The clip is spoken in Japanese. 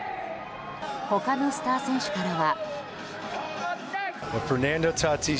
他のスター選手からは。